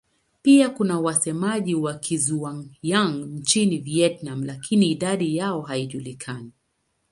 Pia kuna wasemaji wa Kizhuang-Yang nchini Vietnam lakini idadi yao haijulikani.